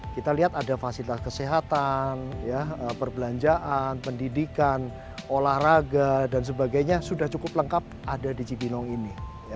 kita lihat ada fasilitas kesehatan perbelanjaan pendidikan olahraga dan sebagainya sudah cukup lengkap ada di cibinong ini